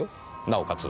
なおかつ